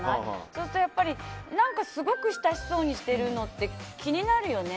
そうすると、何かすごい親しそうにしてるのって気になるよね。